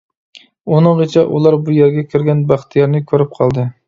ئۇنىڭغىچە ئۇلار بۇ يەرگە كىرگەن بەختىيارنى كۆرۈپ قالدى.